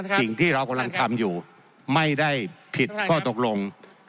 สิ่งที่เรากำลังทำอยู่ไม่ได้ผิดข้อตกลง